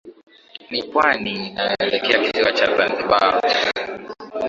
Ni pwani inayoelekea kisiwa cha zanzibar